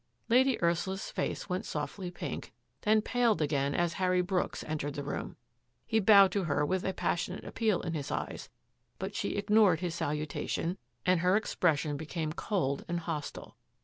Lady Ursula's face went softly pink, then paled again as Harry Brooks entered the room. He bowed to her with a passionate appeal in his eyes, but she ignored his salutation and her expression 260 THAT AFFAIR AT THE MANOR became cold and hostile.